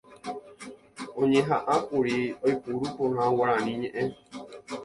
oñeha'ãkuri oipuru porã Guarani ñe'ẽ